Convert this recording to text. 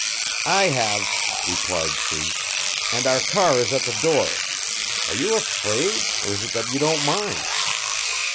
"I have," replied she, "and our car is at the door are you afraid, or is it that you don't mind?"